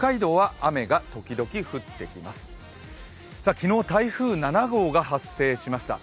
昨日、台風７号が発生しました。